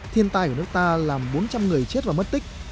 thiên tai của nước ta làm bốn trăm linh người chết và mất tích